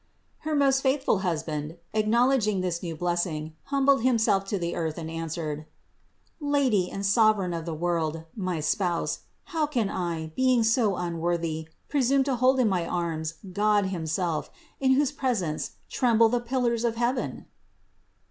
Her most faithful husband, acknowledging this new blessing, humbled himself to the earth and answered: "Lady and Sovereign of the world, my Spouse, how can I, being so unworthy, pre sume to hold in my arms God himself, in whose presence tremble the pillars of heaven?